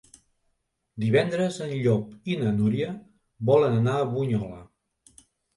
Divendres en Llop i na Núria volen anar a Bunyola.